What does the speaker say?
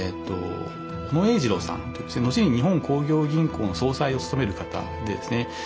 小野英二郎さんという後に日本興業銀行の総裁を務める方でですね